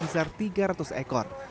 hanya berkisar tiga ratus ekor